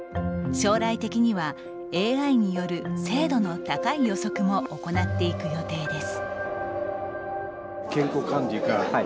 将来的にはＡＩによる精度の高い予測も行っていく予定です。